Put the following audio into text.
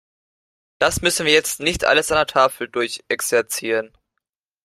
Das müssen wir jetzt nicht alles an der Tafel durchexerzieren.